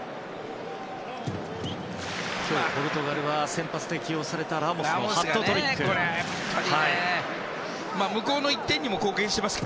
今日、ポルトガルは先発で起用されたラモスのハットトリックがありました。